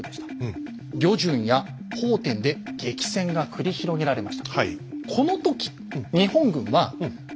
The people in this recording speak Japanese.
旅順や奉天で激戦が繰り広げられました。